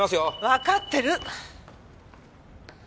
わかってる！